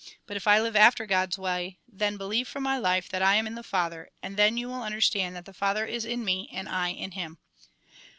But if I live after God's way, then believe from my life that I am in the Father, and then you will understand that the Father is in me and I in Him."